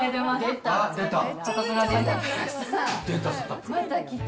出た。